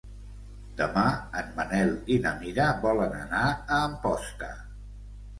Demà en Manel i na Mira volen anar a Amposta.